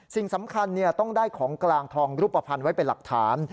สิ่งสำคัญต้องได้ของกลางทองรูปภัณฑ์ไว้เป็นหลักฐาน